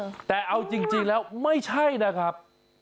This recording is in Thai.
แต่เอาจริงละไม่ใช่นะครับ